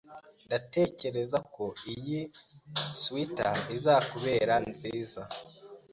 Ndatekereza ko iyi swater izakubera nziza.